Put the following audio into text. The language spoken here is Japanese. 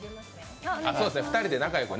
２人で仲よくね。